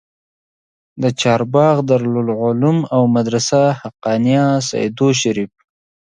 د چارباغ دارالعلوم او مدرسه حقانيه سېدو شريف